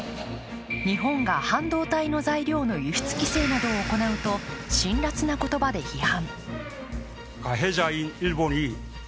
日本が半導体の材料の輸出規制などを行うと、辛らつな言葉で批判。